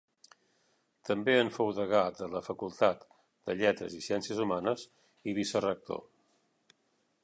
També en fou degà de la Facultat de lletres i ciències humanes, i vicerector.